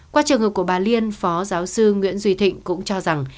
qua trường hợp của bà liên phó giáo sư nguyễn duy thịnh cũng cho rằng